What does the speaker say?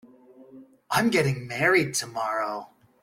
I'm getting married tomorrow.